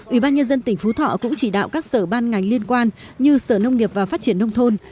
ủy ban nhân dân tỉnh phú thọ cũng chỉ đạo các sở ban ngành liên quan như sở nông nghiệp và phát triển nông thôn